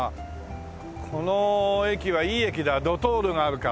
この駅はいい駅だドトールがあるから。